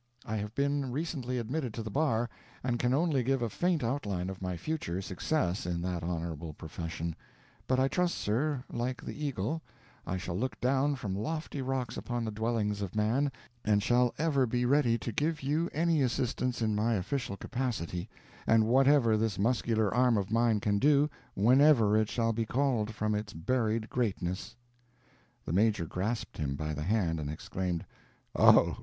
I have been recently admitted to the bar, and can only give a faint outline of my future success in that honorable profession; but I trust, sir, like the Eagle, I shall look down from lofty rocks upon the dwellings of man, and shall ever be ready to give you any assistance in my official capacity, and whatever this muscular arm of mine can do, whenever it shall be called from its buried greatness." The Major grasped him by the hand, and exclaimed: "O!